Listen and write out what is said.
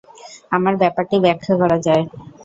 আমার ব্যাপারটি ব্যাখ্যা করা যায়।